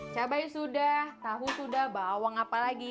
cabai sudah tahu sudah bawang apa lagi